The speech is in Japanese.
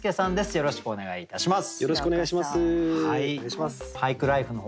よろしくお願いします！